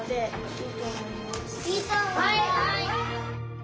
はい。